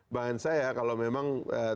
bahkan saya kalau memang